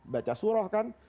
baca surah kan